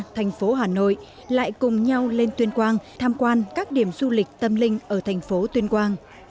thành phố hà nội lại cùng nhau lên tuyên quang tham quan các điểm du lịch tâm linh ở thành phố tuyên quang